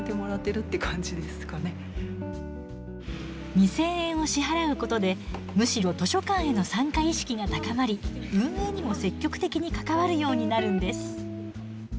２，０００円を支払うことでむしろ図書館への参加意識が高まり運営にも積極的に関わるようになるんです。